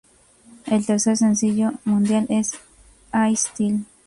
El tercer sencillo mundial es "I Still...".